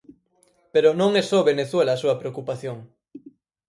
Pero non é só Venezuela a súa preocupación.